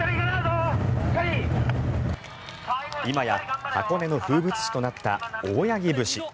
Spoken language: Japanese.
今や箱根の風物詩となった大八木節。